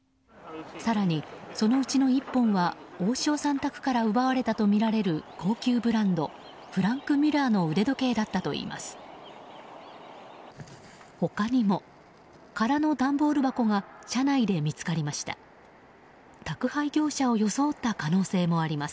更に、そのうちの１本は大塩さん宅から奪われたとみられる高級ブランドフランク・ミュラーの腕時計だったといいます。